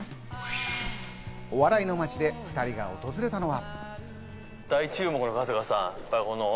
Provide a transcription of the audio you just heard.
お笑いの街で２人が訪れたのは。